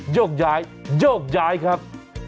โยกย้ายโยกย้ายครับ